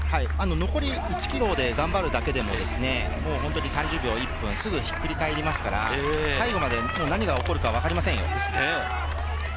残り１ｋｍで頑張るだけでも、本当に３０秒、１分、すぐひっくり返りますから、最後まで何が起こるかわかりませんよ。